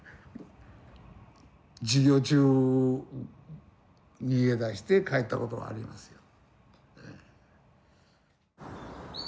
授業中逃げ出して帰ったこともありますよ。